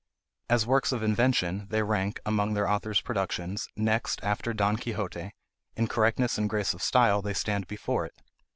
As works of invention, they rank, among their author's productions, next after Don Quixote; in correctness and grace of style they stand before it....